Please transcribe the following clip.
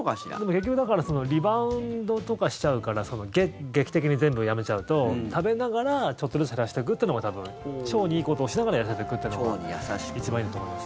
結局リバウンドとかしちゃうから劇的に全部やめちゃうと食べながら少しずつ減らしていくのが多分、腸にいいことをしながら痩せていくのが一番いいんだと思います。